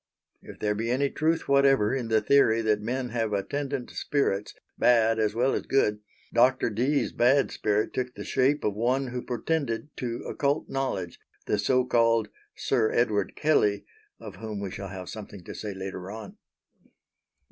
If there be any truth whatever in the theory that men have attendant spirits, bad as well as good, Dr. Dee's bad spirit took the shape of one who pretended to occult knowledge, the so called Sir Edward Kelley of whom we shall have something to say later on.